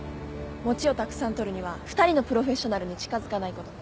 餅をたくさん取るには２人のプロフェッショナルに近づかないこと。